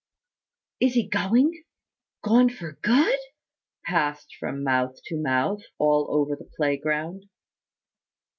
"Is he going? Gone for good?" passed from mouth to mouth, all over the playground.